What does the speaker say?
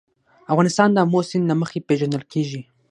افغانستان د آمو سیند له مخې پېژندل کېږي.